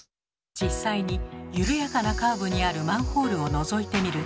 実際に緩やかなカーブにあるマンホールをのぞいてみると。